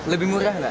lebih murah nggak